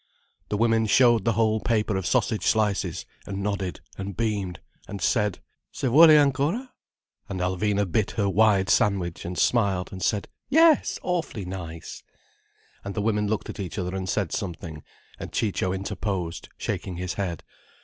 The women showed the whole paper of sausage slices, and nodded and beamed and said: "Se vuole ancora—!" And Alvina bit her wide sandwich, and smiled, and said: "Yes, awfully nice!" And the women looked at each other and said something, and Ciccio interposed, shaking his head.